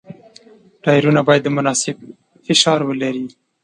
ټایرونه باید مناسب فشار ولري.